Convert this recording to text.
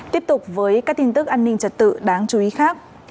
tiếp tục với các tin tức an ninh trật tự đáng chú ý khác